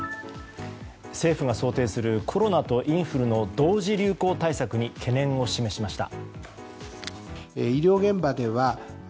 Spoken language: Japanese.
政府が想定するコロナとインフルの同時流行対策に懸念を示しました。